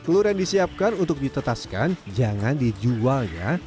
telur yang disiapkan untuk ditetaskan jangan dijual ya